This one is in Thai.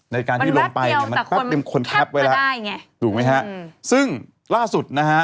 ในการที่ลงไปมันแป๊บเตียงคนแคปเวลาถูกไหมฮะซึ่งล่าสุดนะฮะ